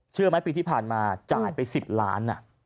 เชื่อไหมปีที่ผ่านมาจ่ายไป๑๐ล้าน